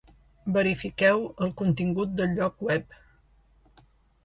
Verifiqueu el contingut del lloc web.